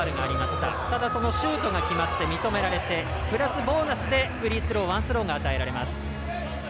ただ、そのシュートが決まって認められてプラスボーナスでフリースローワンスローが与えられます。